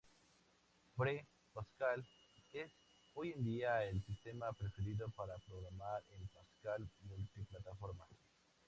Free Pascal es, hoy en día, el sistema preferido para programar en Pascal multiplataforma.